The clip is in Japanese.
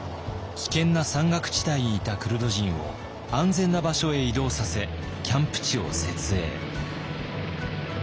危険な山岳地帯にいたクルド人を安全な場所へ移動させキャンプ地を設営。